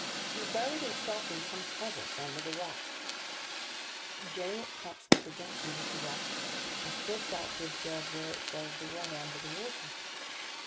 It had buried itself in some crevice under the rock. Gilliatt clutched the projections of the rock, and stretched out to observe where it shelved away under the water.